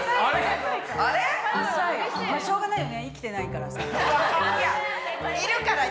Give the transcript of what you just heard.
しょうがないよね生きてないからさ。